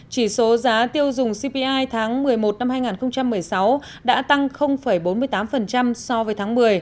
chỉ số giá tiêu dùng cpi tháng một mươi một năm hai nghìn một mươi sáu đã tăng bốn mươi tám so với tháng một mươi